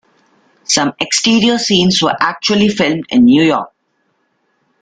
Some exterior scenes were actually filmed in New York.